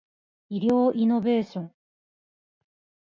医療イノベーション